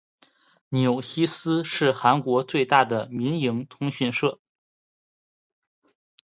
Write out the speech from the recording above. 纽西斯是韩国最大的民营通讯社。